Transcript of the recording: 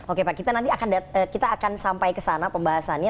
oke pak kita nanti kita akan sampai ke sana pembahasannya